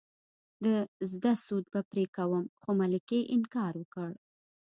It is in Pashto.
د زده سود به پرې کوم خو ملکې انکار وکړ.